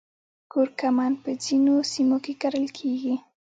کورکمن په ځینو سیمو کې کرل کیږي